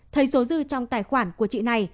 thấy số dư trong tài khoản của chị này